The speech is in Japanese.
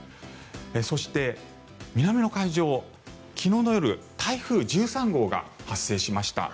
そして、南の海上、昨日の夜台風１３号が発生しました。